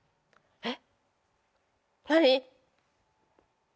えっ！